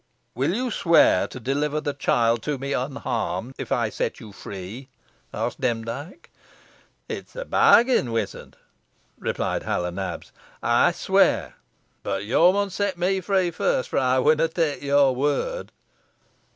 "Will you swear to deliver the child to me unharmed, if I set you free?" asked Demdike. "It's a bargain, wizard," rejoined Hal o' Nabs; "ey swear. Boh yo mun set me free furst, fo' ey winnaw tak your word."